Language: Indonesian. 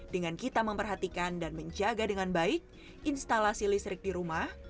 dengan kita memperhatikan dan menjaga dengan baik instalasi listrik di rumah